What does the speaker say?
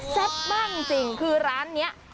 มากจริงคือร้านนี้